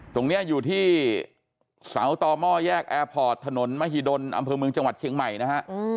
ตรงนี้อยู่ที่เสาต่อหม้อแยกแอร์พอร์ตถนนมหิดลอำเภอเมืองจังหวัดเชียงใหม่นะฮะ